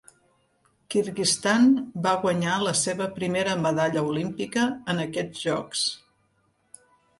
Kyrgyzstan va guanyar la seva primera Medalla Olímpica en aquests jocs.